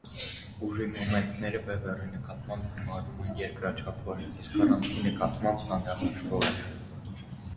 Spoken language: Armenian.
Ուժի մոմենտները բևեռի նկատմամբ գումարվում են երկրաչափորեն, իսկ առանցքի նկատմամբ՝ հանրահաշվորեն։